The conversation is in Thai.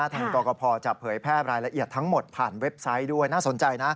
กรกภจะเผยแพร่รายละเอียดทั้งหมดผ่านเว็บไซต์ด้วยน่าสนใจนะ